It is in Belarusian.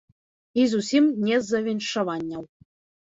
І зусім не з-за віншаванняў.